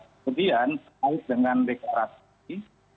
kemudian baik dengan deklarasi